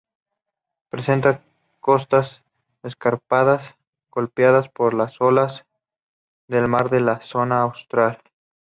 Presenta costas escarpadas, golpeadas por las olas del mar de la Zona Austral.